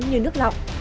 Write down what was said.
như nước lọc